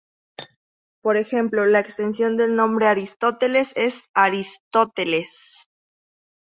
Por ejemplo, la extensión del nombre "Aristóteles" es Aristóteles.